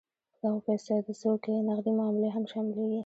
په دغه پیسو کې نغدې معاملې هم شاملیږي.